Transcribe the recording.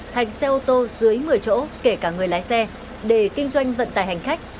thành xe ô tô dưới một mươi chỗ kể cả người lái xe để kinh doanh vận tải hành khách